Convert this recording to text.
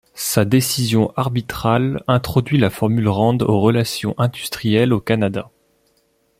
Sa décision arbitrale introduit la formule Rand aux relations industrielles au Canada.